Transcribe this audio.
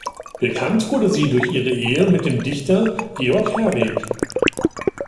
Bekannt wurde sie durch ihre Ehe mit dem Dichter Georg Herwegh.